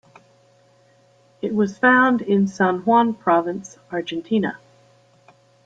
It was found in San Juan Province, Argentina.